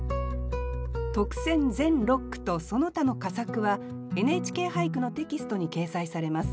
特選全六句とその他の佳作は「ＮＨＫ俳句」のテキストに掲載されます。